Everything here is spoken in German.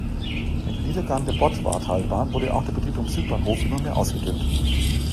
Mit dem Niedergang der Bottwartalbahn wurde auch der Betrieb am Südbahnhof immer mehr ausgedünnt.